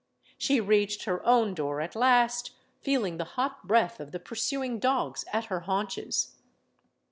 She reached her own door at last, feeling the hot breath of the pursuing dogs at her haunches.